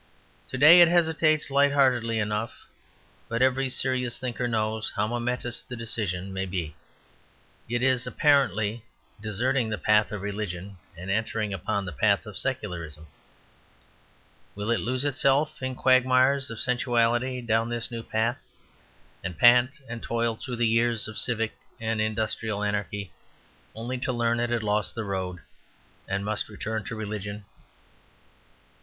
To day it hesitates, lightheartedly enough, but every serious thinker knows how momentous the decision may be. It is, apparently, deserting the path of religion and entering upon the path of secularism. Will it lose itself in quagmires of sensuality down this new path, and pant and toil through years of civic and industrial anarchy, only to learn it had lost the road, and must return to religion?